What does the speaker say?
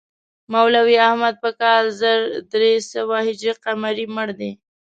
مولوي احمد په کال زر درې سوه هجري قمري مړ دی.